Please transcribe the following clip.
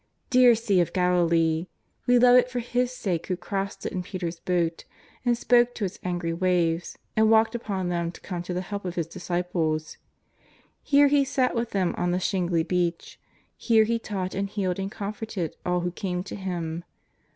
Dear Sea of Galilee ! We love it for His sake who crossed it in Petea'^s boat, and spoke to its angry waves, and walked upon them to come to the help ofi His disci ples. Here He sat with them on the shingly beach ; here He taught and healed and comforted all who came to Him.